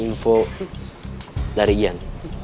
info dari ian